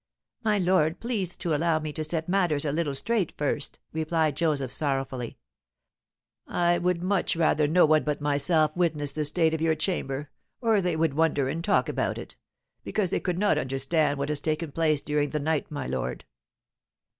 "My lord, please to allow me to set matters a little straight first," replied Joseph, sorrowfully; "I would much rather no one but myself witnessed the state of your chamber, or they would wonder, and talk about it, because they could not understand what had taken place during the night, my lord."